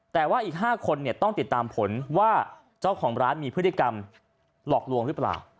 แต่ว่าอีก๕คนต้องติดตามผลว่าเจ้าของร้านมีพฤติกรรมหลอกลวงหรือเปล่า